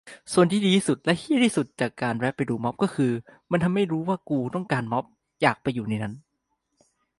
ส่วนที่ดีที่สุดและเหี้ยที่สุดจากการแวะไปดูม็อบก็คือ มันทำให้รู้ว่ากูต้องการม็อบ อยากไปอยู่ในนั้น